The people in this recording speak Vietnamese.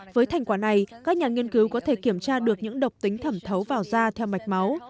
với thành quả này các nhà nghiên cứu có thể kiểm tra được những độc tính thẩm thấu vào da theo mạch máu